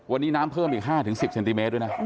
วันนี้น้ำเพิ่มอีก๕๑๐เซนติเมตรด้วยนะ